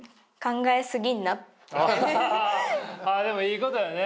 うんでもいいことやね。